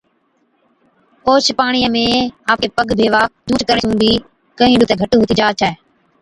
اوهچ پاڻِيان ۾ آپڪي پگ ڀيوا، جھُونچ ڪرڻي سُون بِي ڪهِين ڏُکتَي گھٽ هُتِي جا ڇَي۔